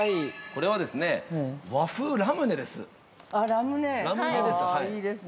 ◆これはですね、和風ラムネです。